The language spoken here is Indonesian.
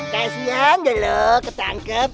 kasian dulu ketangkep